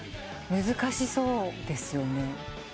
難しそうですよね。